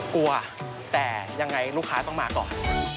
กลัวแต่ยังไงลูกค้าต้องมาก่อน